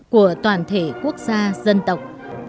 của toàn thể quốc gia dân tộc